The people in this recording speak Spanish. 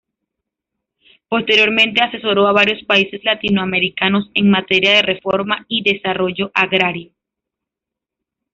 Posteriormente asesoró a varios países latinoamericanos en materia de reforma y desarrollo agrarios.